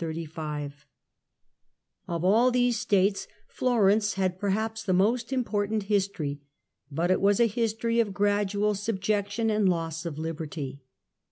Florence Of all these States Florence had, perhaps, the most important history, but it was a history of gradual sub jection and loss of liberty.